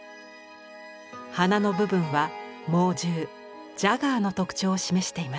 鼻の部分は猛獣ジャガーの特徴を示しています。